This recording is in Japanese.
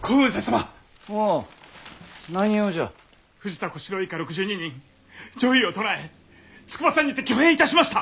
藤田小四郎以下６２人攘夷を唱え筑波山にて挙兵いたしました！